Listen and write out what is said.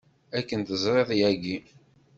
Akken teẓriḍ yagi.